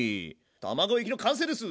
卵液の完成です！